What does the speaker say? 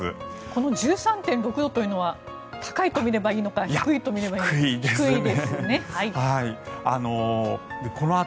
この１３．６度というのは高いと見ればいいのか低いと見ればいいのか。